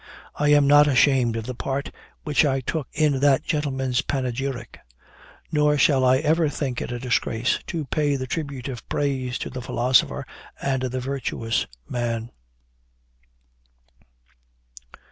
I am not ashamed of the part which I took in that gentleman's panegyric; nor shall I ever think it a disgrace to pay the tribute of praise to the philosopher and the virtuous man.'"